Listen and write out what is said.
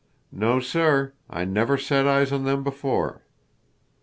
"No, sir. I never set eyes on them before."